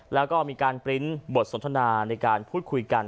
แล้วก็มีการปริ้นต์บทสนทนาในการพูดคุยกัน